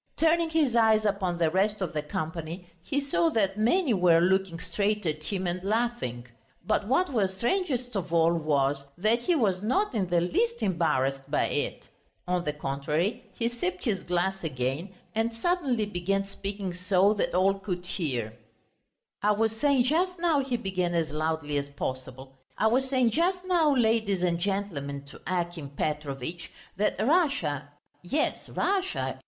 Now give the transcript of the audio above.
Turning his eyes upon the rest of the company, he saw that many were looking straight at him and laughing. But what was strangest of all was, that he was not in the least embarrassed by it; on the contrary, he sipped his glass again and suddenly began speaking so that all could hear: "I was saying just now," he began as loudly as possible, "I was saying just now, ladies and gentlemen, to Akim Petrovitch, that Russia ... yes, Russia